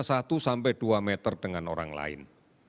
satu sampai dua meter dengan orang lain